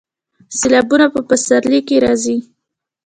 سیلابونه په پسرلي کې راځي